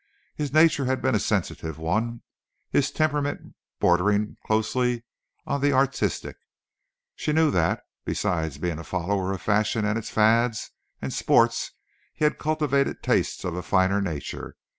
His nature had been a sensitive one, his temperament bordering closely on the artistic. She knew that, besides being a follower of fashion and its fads and sports, he had cultivated tastes of a finer nature.